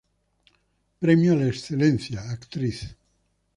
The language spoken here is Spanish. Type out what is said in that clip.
Premio a la excelencia, Actriz